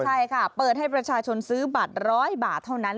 ใช่ค่ะเปิดให้ประชาชนซื้อบัตร๑๐๐บาทเท่านั้น